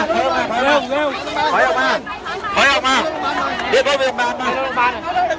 พี่คนเจ็บไปไหนแล้วเอาวิธีมือมาแล้วมาไปตรงบ้านแล้ว